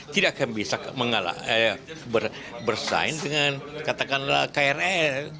tidak akan bisa bersaing dengan katakanlah krl